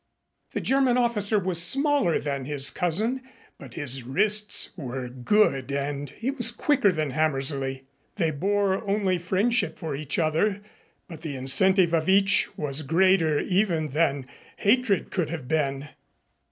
The German officer was smaller than his cousin but his wrists were good and he was quicker than Hammersley. They bore only friendship for each other but the incentive of each was greater even than hatred could have been.